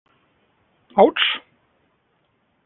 Autsch!